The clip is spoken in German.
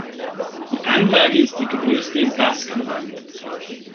Die Anlage ist die größte im Baskenland.